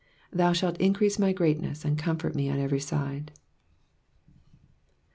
21 Thou shalt increase my greatness, and comfort me on every side.